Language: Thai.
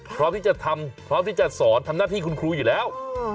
พร้อมที่จะทำพร้อมที่จะสอนทำหน้าที่คุณครูอยู่แล้ว